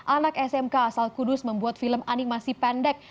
anak smk asal kudus membuat film animasi pendek